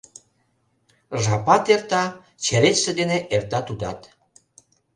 Жапат эрта, черетше дене эрта тудат.